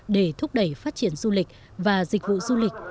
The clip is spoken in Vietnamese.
để thúc đẩy phát triển du lịch và dịch vụ du lịch